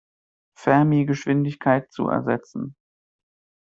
Fermi-Geschwindigkeit zu ersetzen.